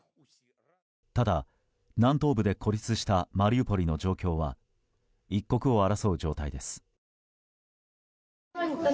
ただ、南東部で孤立したマリウポリの状況は一刻を争う状態です。